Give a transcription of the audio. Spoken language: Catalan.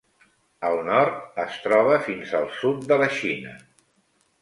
Al nord, es troba fins al sud de la Xina.